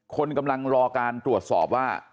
คนกำลังรอการตรวจสอบว่า